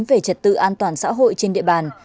về trật tự an toàn xã hội trên địa bàn